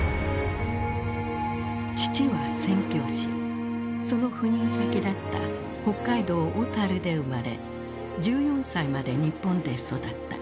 父は宣教師その赴任先だった北海道小樽で生まれ１４歳まで日本で育った。